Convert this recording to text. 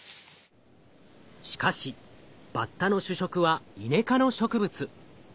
しかしバッタの主食はイネ科の植物。